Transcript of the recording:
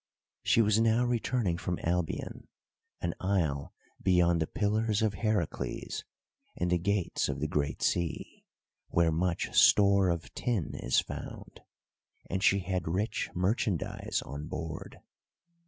She was now returning from Albion, an isle beyond the pillars of Heracles and the gates of the great sea, where much store of tin is found; and she had rich merchandise on board.